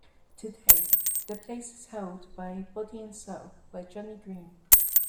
Today, the place is held by "Body and Soul" by Johnny Green.